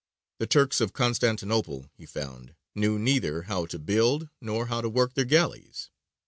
The Turks of Constantinople, he found, knew neither how to build nor how to work their galleys.